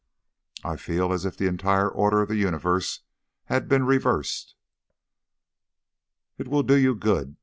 "I feel as if the entire order of the universe had been reversed." "It will do you good.